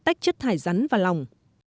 tách chất thải rắn và lỏng